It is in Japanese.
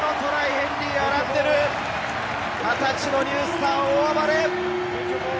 ヘンリー・アランデル、２０歳のニュースター、大暴れ！